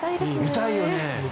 見たいよね。